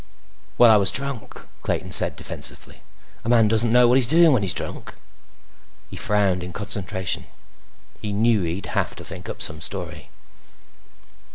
"Well, I was drunk," Clayton said defensively. "A man doesn't know what he's doing when he's drunk." He frowned in concentration. He knew he'd have to think up some story.